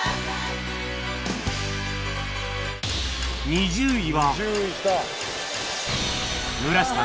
２０位は